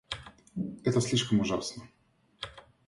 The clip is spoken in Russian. Это слишком ужасно.